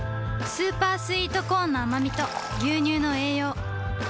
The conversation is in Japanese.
スーパースイートコーンのあまみと牛乳の栄養